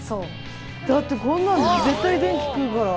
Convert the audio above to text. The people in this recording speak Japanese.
だってこんなん絶対電気食うから。